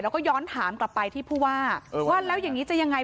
แล้วก็ย้อนถามกลับไปที่ผู้ว่าว่าแล้วอย่างนี้จะยังไง